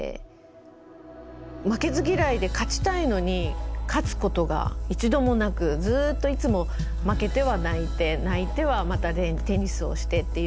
負けず嫌いで勝ちたいのに勝つことが一度もなくずっといつも負けては泣いて泣いてはまたテニスをしてっていう繰り返しで。